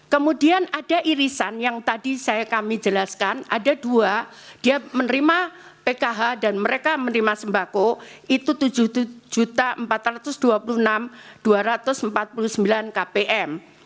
kemudian ada irisan yang tadi kami jelaskan ada dua dia menerima pkh dan mereka menerima sembako itu tujuh empat ratus dua puluh enam dua ratus empat puluh sembilan kpm